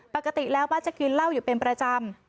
ปกติแล้วบ้านจะกินเหล้าอยู่เป็นประจำ